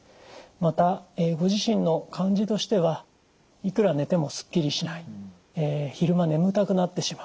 またご自身の感じとしてはいくら寝てもすっきりしない昼間眠たくなってしまう。